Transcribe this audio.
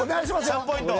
３ポイント。